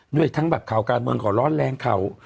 ด้วยทั้งแบบข่าวการเมืองขอร้อนแรงข่าว